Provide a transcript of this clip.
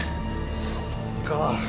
そっか。